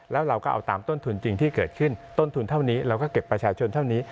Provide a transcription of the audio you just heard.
แล้วเราก็เอาตามต้นทุนจริงที่เกิดขึ้นต้นทุนเท่านี้เราก็เก็บประชาชนเท่านี้